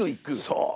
そう。